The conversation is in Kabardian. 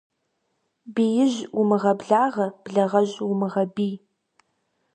Биижь умыгъэблагъэ, благъэжь умыгъэбий.